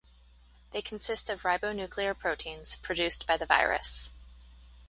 They consist of ribonuclear proteins produced by the virus.